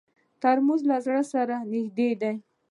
ترموز له زړه سره نږدې دی.